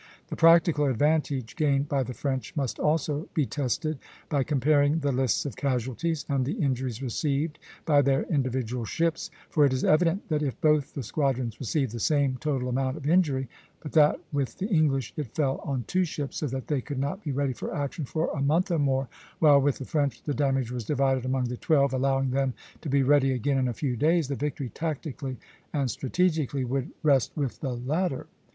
The practical advantage gained by the French must also be tested by comparing the lists of casualties, and the injuries received by their individual ships; for it is evident that if both the squadrons received the same total amount of injury, but that with the English it fell on two ships, so that they could not be ready for action for a month or more, while with the French the damage was divided among the twelve, allowing them to be ready again in a few days, the victory tactically and strategically would rest with the latter.